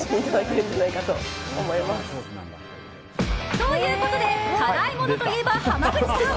ということで辛いものといえば濱口さん。